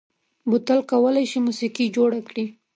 بوتل کولای شي موسيقي جوړ کړي.